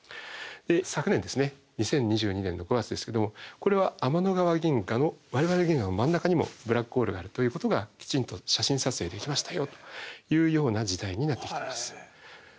昨年２０２２年の５月ですけどこれは天の川銀河の我々銀河の真ん中にもブラックホールがあるということがきちんと写真撮影できましたよというような時代になってきてます。